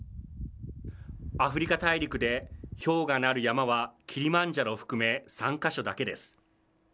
アフリカ大陸で氷河のある山は、キリマンジャロを含め３か所だけです。